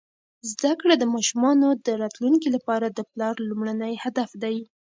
زده کړه د ماشومانو راتلونکي لپاره د پلار لومړنی هدف دی.